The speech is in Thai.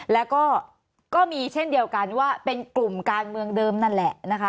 แล้วก็ก็มีเช่นเดียวกันว่าเป็นกลุ่มการเมืองเดิมนั่นแหละนะคะ